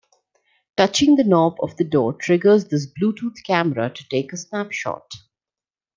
Touching the knob of the door triggers this Bluetooth camera to take a snapshot.